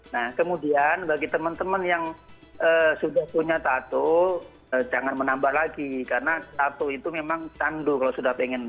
nah kemudian bagi teman teman yang sudah punya tato jangan menambah lagi karena tato itu memang tandu kalau sudah pengen